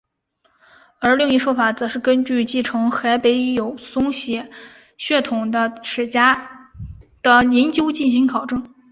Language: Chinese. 而另一说法则是根据继承海北友松血统的史家的研究进行考证。